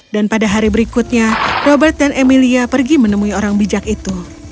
dan pada hari berikutnya robert dan emilia pergi menemui orang bijak itu